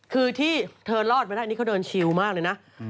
คือที่เธอรอดไปได้นี่เขาเดินชิวมากเลยนะ